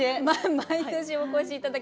毎年お越し頂き